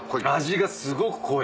味がすごく濃い。